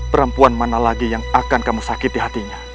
perempuan mana lagi yang akan kamu sakiti hatinya